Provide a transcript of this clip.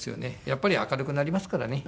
やっぱり明るくなりますからね。